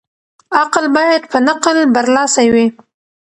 عقل بايد په نقل برلاسی وي.